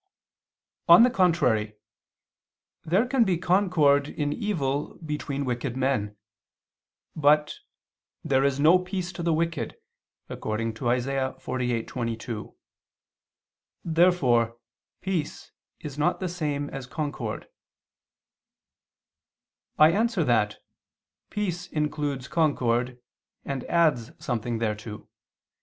On the contrary, There can be concord in evil between wicked men. But "there is no peace to the wicked" (Isa. 48:22). Therefore peace is not the same as concord. I answer that, Peace includes concord and adds something thereto.